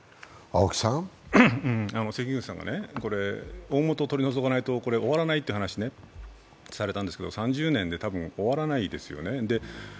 関口さんが大元を取り除かないと終わらないという話をされたんですが３０年で多分終わらないですよね。